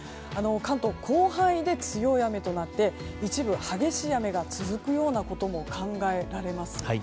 関東広範囲で強い雨となって一部激しい雨が続くようなことも考えられます。